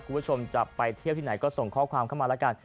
คุณผู้ชมจะไปเที่ยวที่ไหนก็ส่งข้อความเข้ามาแล้วกัน